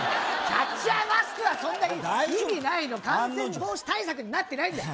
キャッチャーマスクはそんな意味ないの案の定感染防止対策になってないんだよ